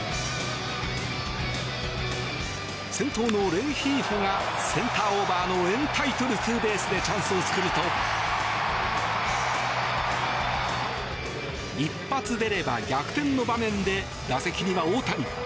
先頭のレンヒーフォがセンターオーバーのエンタイトルツーベースでチャンスを作ると一発出れば逆転の場面で打席には大谷。